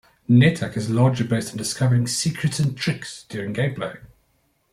"NetHack" is largely based on discovering secrets and tricks during gameplay.